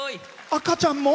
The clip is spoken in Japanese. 赤ちゃんも！